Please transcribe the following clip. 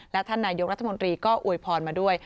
และท่านนายกรัฐมนตรีก็อวยพรมาด้วย